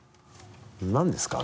何ですか？